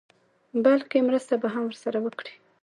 بلکې مرسته به هم ورسره وکړي.